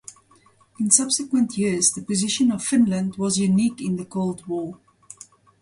In subsequent years the position of Finland was unique in the Cold War.